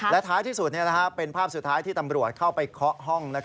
และท้ายที่สุดเป็นภาพสุดท้ายที่ตำรวจเข้าไปเคาะห้อง